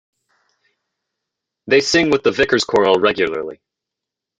They sing with the vicars choral regularly.